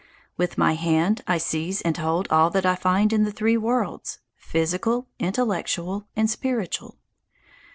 With my hand I seize and hold all that I find in the three worlds physical, intellectual, and spiritual.